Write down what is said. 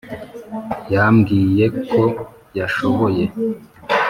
yambwiye ko yashoboye